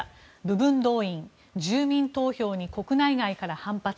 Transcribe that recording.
部分動員、住民投票に国内外から反発。